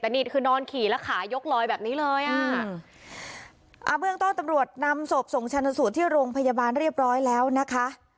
แต่นี่คือนอนขี่แล้วขายกลอยแบบนี้เลยอ่ะอ่าเบื้องต้นตำรวจนำศพส่งชันสูตรที่โรงพยาบาลเรียบร้อยแล้วนะคะ